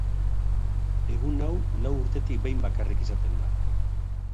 Egun hau lau urtetik behin bakarrik izaten da.